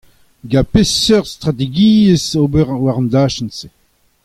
Gant peseurt strategiezh ober war an dachenn-se ?